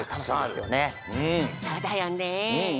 そうだよね。